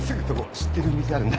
知ってる店あるんだ。